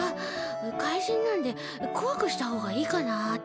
怪人なんでこわくしたほうがいいかなあって。